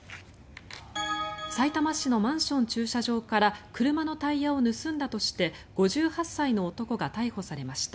さいたま市のマンション駐車場から車のタイヤを盗んだとして５８歳の男が逮捕されました。